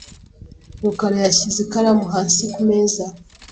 rukara yashyize ikaramu hasi kumeza .